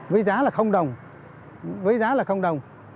với giá là đồng với giá là đồng